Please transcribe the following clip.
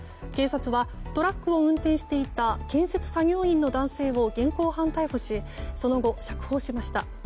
警察はトラックを運転していた建設作業員の男性を現行犯逮捕しその後、釈放しました。